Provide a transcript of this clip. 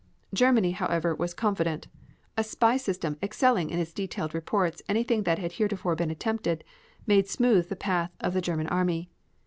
Germany, however, was confident. A spy system excelling in its detailed reports anything that had heretofore been attempted, made smooth the path of the German army.